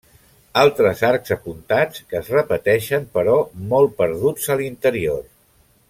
Altres arcs apuntats, que es repeteixen però molt perduts a l'interior.